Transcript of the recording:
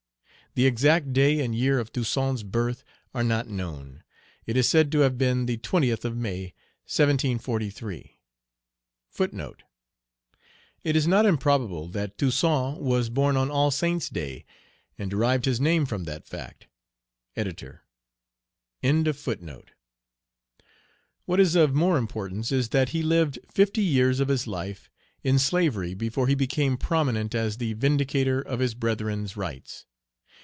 The exact day and year of Toussaint's birth are not known. It is said to have been the 20th of May, 1743. It is not improbable that Toussaint was born on All Saints' Day, and derived his name from that fact. ED. What is of more importance is that he lived fifty years of his life in slavery before he became prominent as the vindicator of his brethren's rights.